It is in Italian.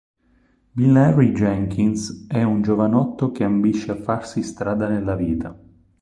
Bill Henry Jenkins è un giovanotto che ambisce a farsi strada nella vita.